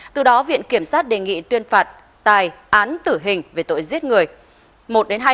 từ đó viện kiểm sát đề nghị tuyên phạt tài án tử hình về tội giết người